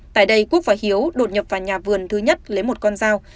tại đây quốc và hiếu đột nhập vào nhà vườn thứ nhất lấy một con dao